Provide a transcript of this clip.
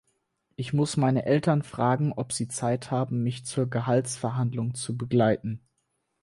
Ich muss meine Eltern fragen, ob sie Zeit haben, mich zur Gehaltsverhandlung zu begleiten.